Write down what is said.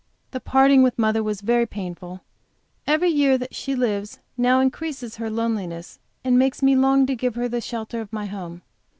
The parting with mother was very painful. Every year that she lives now increases her loneliness, and makes me long to give her the shelter of my home.